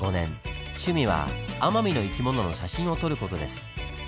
趣味は奄美の生き物の写真を撮る事です。